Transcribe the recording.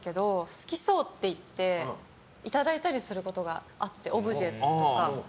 好きそうっていっていただいたりすることがあってオブジェとか。